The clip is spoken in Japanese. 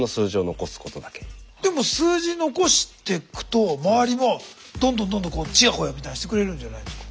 でも数字残してくと周りはどんどんどんどんちやほやみたいにしてくれるんじゃないんですか？